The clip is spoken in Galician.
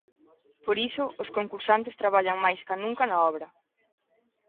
Por iso, os concursantes traballan máis ca nunca na obra.